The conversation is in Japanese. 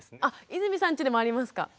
あ泉さんちでもありますか？